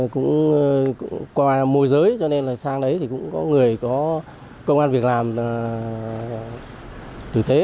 cũng qua môi giới cho nên là sang đấy thì cũng có người có công an việc làm từ thế